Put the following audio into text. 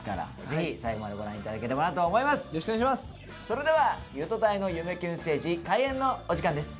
それでは「ゆとたいの夢キュンステージ」開演のお時間です。